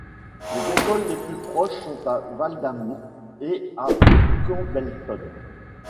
Les écoles les plus proches sont à Val-d'Amours et à Campbellton.